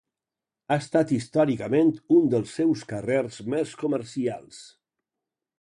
Ha estat històricament un dels seus carrers més comercials.